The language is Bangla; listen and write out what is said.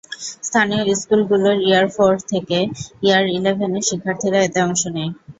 স্থানীয় স্কুলগুলোর ইয়ার ফোর থেকে ইয়ার ইলেভেনের শিক্ষার্থীরা এতে অংশ নেয়।